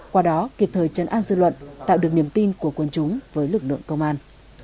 qua đó kịp thời chấn an dư luận tạo được niềm tin của quân chúng với lực lượng công an